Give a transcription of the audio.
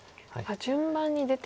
順番に出て。